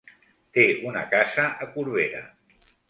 Té una casa a Corbera.